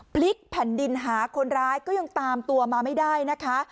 พลิกแผ่นดินหาคนร้ายก็ยังตามตัวมาไม่ได้นะคะ